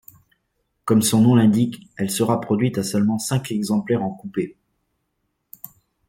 Comme son nom l'indique, elle sera produite à seulement cinq exemplaires en Coupé.